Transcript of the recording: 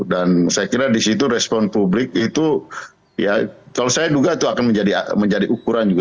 dan saya kira di situ respon publik itu ya kalau saya juga itu akan menjadi ukuran juga